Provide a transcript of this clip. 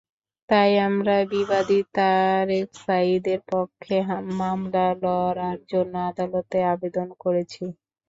তাই আমরা বিবাদী তারেক সাঈদের পক্ষে মামলা লড়ার জন্য আদালতে আবেদন করেছি।